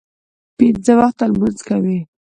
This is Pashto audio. پنځه وخته لمونځ کوي.